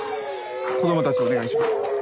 子どもたちをお願いします。